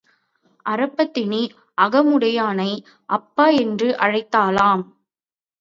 அறப்பத்தினி அகமுடையானை அப்பா என்று அழைத்தாளாம்.